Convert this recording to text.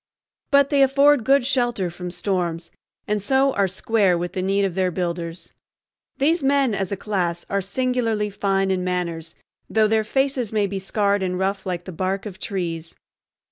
But they afford good shelter from storms, and so are "square" with the need of their builders. These men as a class are singularly fine in manners, though their faces may be scarred and rough like the bark of trees.